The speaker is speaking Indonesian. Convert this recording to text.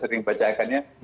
kita sering bacakannya